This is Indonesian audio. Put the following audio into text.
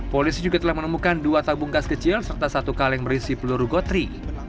polisi juga telah menemukan dua tabung gas kecil serta satu kaleng berisi peluru gotri